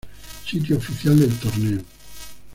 Sitio oficial del Torneo